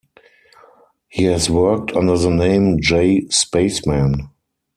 He has worked under the name J. Spaceman.